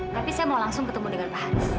tapi saya mau langsung ketemu dengan pak haris